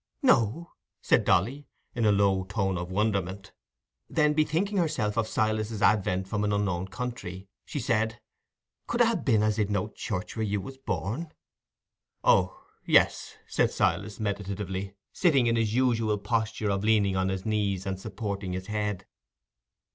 "No!" said Dolly, in a low tone of wonderment. Then bethinking herself of Silas's advent from an unknown country, she said, "Could it ha' been as they'd no church where you was born?" "Oh, yes," said Silas, meditatively, sitting in his usual posture of leaning on his knees, and supporting his head.